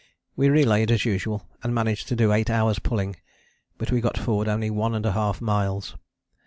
We relayed as usual, and managed to do eight hours' pulling, but we got forward only 1½ miles.